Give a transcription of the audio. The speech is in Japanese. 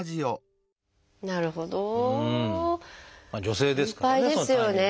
女性ですからね。